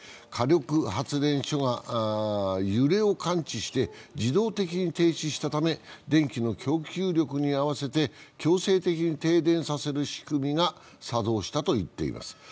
火力発電所が揺れを感知して自動的に停止したため電気の供給力に合わせて強制的に停電させる仕組みが作動したと言っています。